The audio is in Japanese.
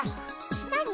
「何？